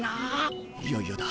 いよいよだ。